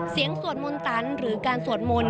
เสียงสวดมนตรรหรือการสวดมนตร